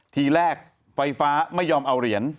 ทีแรกไฟฟ้าไม่ยอมเอาเหรียญ